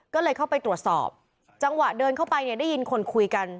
ก็เลยเข้าไปตรวจสอบจังหวะเดินเข้าไปเนี่ยได้ยินคนคุยกัน